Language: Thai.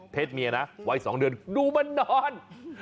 เมียนะวัย๒เดือนดูมันนอน